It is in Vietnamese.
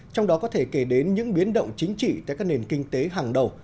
trong đó có thể kể đến những biến động chính trị tại các nền kinh tế hàng đầu